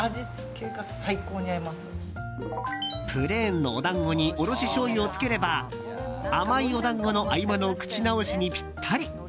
プレーンのお団子におろししょうゆをつければ甘いお団子の合間の口直しにぴったり。